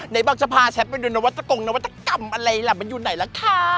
แกอยากจะพาแชร์ไปดูนวัตกรรมอะไรอยู่ไหนล่ะคะ